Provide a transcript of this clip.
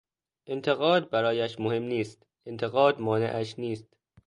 انتقاد برایش مهم نیست، انتقاد مانعش نیست.